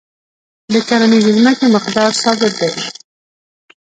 د کرنیزې ځمکې مقدار ثابت دی.